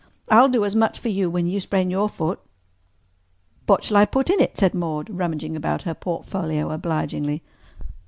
I'll do as much for you when you sprain your foot." "What shall I put in it?" said Maude, rummaging out her portfolio obligingly.